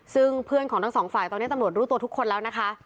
ซึ่งเพื่อนของทั้งสองฝ่ายตอนนี้ตำรวจรู้ตัวทุกคนแล้วนะคะ